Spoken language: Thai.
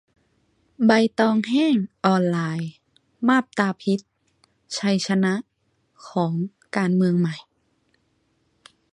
'ใบตองแห้ง' ออนไลน์ :"มาบตาพิษ" ชัยชนะ ? ของ "การเมืองใหม่"